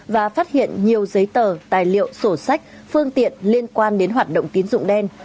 và phát hiện nhiều giấy tờ tài liệu sổ sách phương tiện liên quan đến hoạt động tín dụng đen